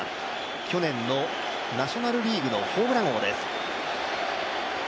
去年のナショナルリーグのホームラン王です。